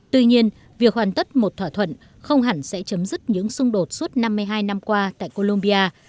tuy nhiên việc hoàn tất một thỏa thuận không hẳn sẽ chấm dứt những xung đột suốt năm mươi hai năm qua tại colombia